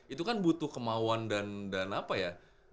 itu kan butuh kemauan dan apa ya